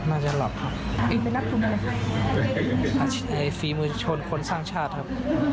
ครับน่าจะหลับครับไปรับทุนอะไรครับฟรีมือชนคนสร้างชาติครับ